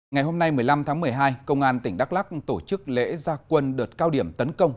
ngày hôm nay một mươi năm tháng một mươi hai công an tỉnh đắk lắc tổ chức lễ gia quân đợt cao điểm tấn công